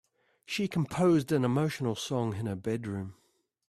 She composed an emotional song in her bedroom.